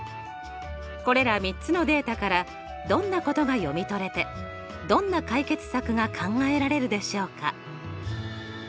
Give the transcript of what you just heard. これら３つのデータからどんなことが読み取れてどんな解決策が考えられるでしょうか？